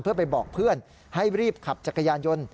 เพื่อไปบอกเพื่อนให้รีบขับจักรยานยนต์